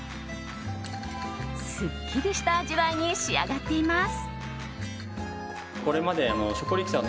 すっきりした味わいに仕上がっています。